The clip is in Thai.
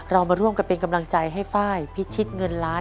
เรามาร่วมกันเป็นกำลังใจให้ไฟล์พิชิตเงินล้าน